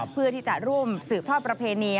เพื่อที่จะร่วมสืบทอดประเพณี